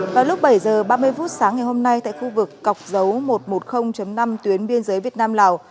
vào lúc bảy h ba mươi phút sáng ngày hôm nay tại khu vực cọc dấu một trăm một mươi năm tuyến biên giới việt nam lào